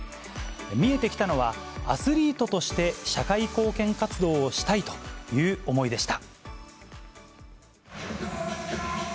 見えてきたのは、アスリートとして社会貢献活動をしたいという思いでした。